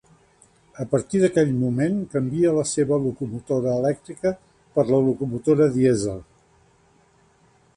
A partir d'aquell moment canvia la seva locomotora elèctrica per la locomotora dièsel.